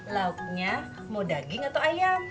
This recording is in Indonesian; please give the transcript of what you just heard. lauknya mau daging atau ayam